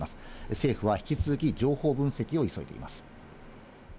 政府は引き続き情報分析を急いでいます。